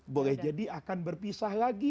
boleh jadi akan berpisah lagi